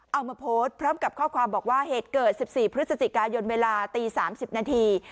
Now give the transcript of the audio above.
เอามาโพสต์พร้อมกับข้อความบอกว่าเหตุเกิด๑๔พฤศจิกายนเวลาตี๓๐นาที